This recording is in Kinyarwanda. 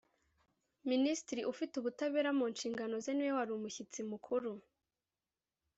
Minisitiri ufite ubutabera mu nshingano ze niwe wari umushyitsi mukuru